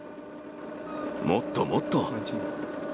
もっともっと。